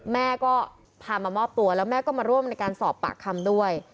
แม่ก็พามามอบตัวแล้วแม่ก็มาร่วมในการสอบปากคำด้วย